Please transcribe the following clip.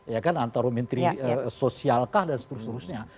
ya kan antara menteri sosial kah dan seterus terusnya